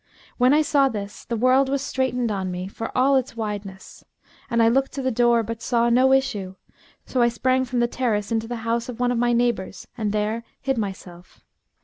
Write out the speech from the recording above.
When I saw this, the world was straitened on me for all its wideness, and I looked to the door but saw no issue; so I sprang from the terrace into the house of one of my neighbours and there hid myself.